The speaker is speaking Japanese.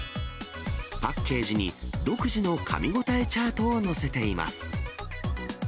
パッケージに独自のかみ応えチャートを載せています。